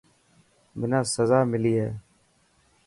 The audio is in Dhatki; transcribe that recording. منا سزا ملي هي.